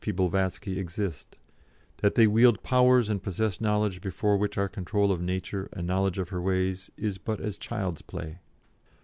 P. Blavatsky exist; that they wield powers and possess knowledge before which our control of Nature and knowledge of her ways is but as child's play.